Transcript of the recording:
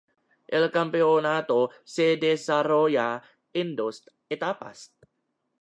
El Campeonato se desarrolla en dos etapas.